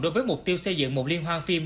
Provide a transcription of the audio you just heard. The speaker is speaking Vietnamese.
đối với mục tiêu xây dựng một liên hoan phim